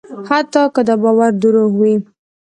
حتی که دا باور دروغ وي.